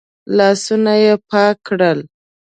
لاسونه يې پاک کړل.